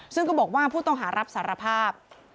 ซึ่งก็บอกว่าผู้ต้องหารับสารภาพ